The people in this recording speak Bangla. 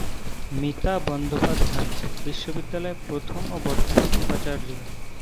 মিতা বন্দ্যোপাধ্যায় বিশ্ববিদ্যালয়ে প্রথম ও বর্তমান উপাচার্য।